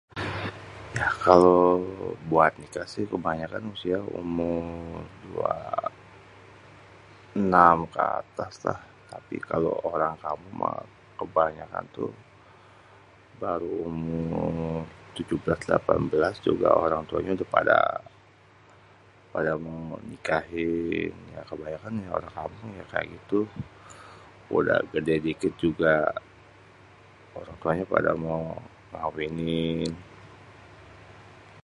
yah kalo buat nikah sih kebanyakan usia umur dua enam (26) ke atas lah.. tapi kalo orang kampung mah kebanyakan tuh baru umur tujuh belas delapan belas mah orang tuanya udah pada mau nikahin.. kebanyakan ya orang kampung pada gitu.. udah gêdé dikit juga orang tuanya pada mau ngawinin..